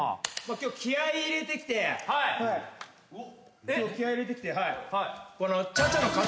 今日気合入れてきて今日気合入れてきて。